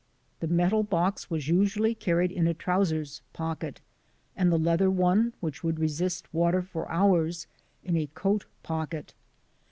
The metal box was usually carried in a trousers pocket, and the leather one, which would resist water for hours, in a coat pocket.